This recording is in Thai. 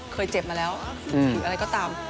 เคยเจ็บมาแล้วหรืออะไรก็ตาม